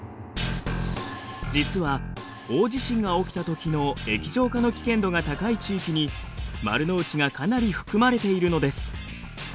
実は大地震が起きたときの液状化の危険度が高い地域に丸の内がかなり含まれているのです。